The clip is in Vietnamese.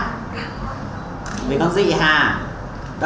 con không hát là vì sao con không hát